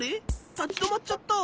たちどまっちゃった。